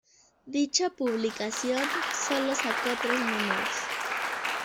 Dicha publicación solo sacó tres números.